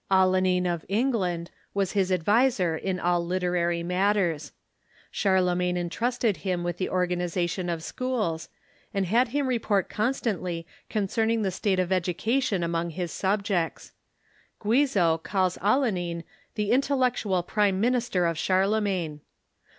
Alcuin, of England, w.as his adviser in all literary matters. Charlemagne intrusted him with the or ganization of schools, and had him report constantly concern ing the state of education among his subjects. Guizot calls Alcuin the "intellectual prime minister of Charlemagne."